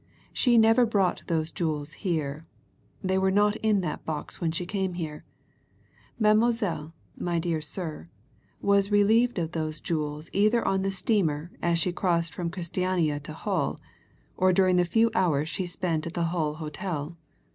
She never brought those jewels here. They were not in that box when she came here. Mademoiselle, my dear sir, was relieved of those jewels either on the steamer, as she crossed from, Christiania to Hull, or during the few hours she spent at the Hull hotel.